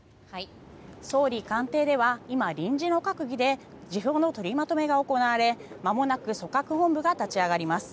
総理官邸では今、臨時の閣議で辞表の取りまとめが行われまもなく組閣本部が立ち上がります。